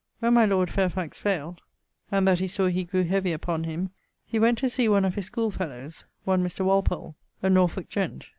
When my lord Fairfax faild and that he sawe he grew heavy upon him, he went to see one of his schoolfellowes, one Mr. Walpole, a Norfolke gent.